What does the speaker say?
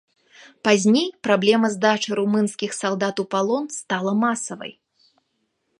Пазней праблема здачы румынскіх салдат у палон стала масавай.